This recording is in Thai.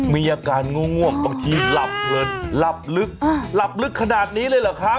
มีอาการง่วงบางทีหลับเพลินหลับลึกหลับลึกขนาดนี้เลยเหรอครับ